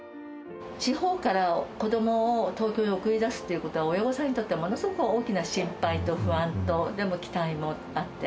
地方から子どもを東京へ送り出すっていうことは、親御さんにとってはものすごく大きな心配と不安と、でも、期待もあって。